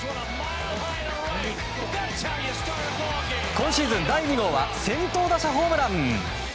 今シーズン第２号は先頭打者ホームラン！